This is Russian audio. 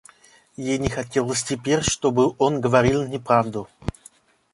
Ей не хотелось теперь, чтобы он говорил неправду.